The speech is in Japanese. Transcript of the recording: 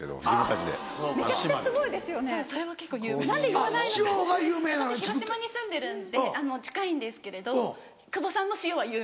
私広島に住んでるんで近いんですけれど久保さんの塩は有名。